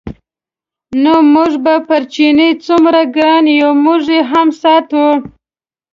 نو موږ به پر چیني څومره ګران یو موږ یې هم ساتو.